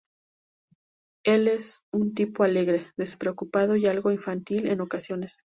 Él es un tipo alegre, despreocupado y algo infantil en ocasiones.